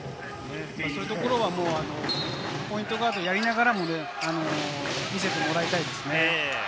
そういうところはポイントガードをやりながらも見せてもらいたいですね。